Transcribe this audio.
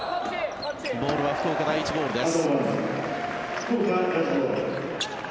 ボールは福岡第一ボールです。